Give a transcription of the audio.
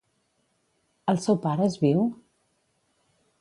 El seu pare és viu?